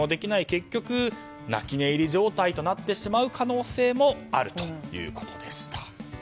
結局、泣き寝入り状態となってしまう可能性もあるということでした。